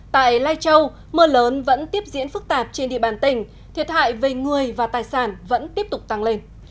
tại lai châu mưa lớn vẫn tiếp diễn phức tạp trên địa bàn tỉnh thiệt hại về người và tài sản vẫn tiếp tục tăng lên